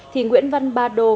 thì nguyễn văn ba đô